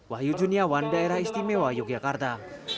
wahyu juniawan daerah istimewa yogyakarta